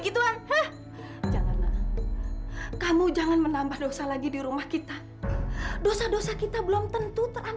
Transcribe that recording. tino keluar keluar keluar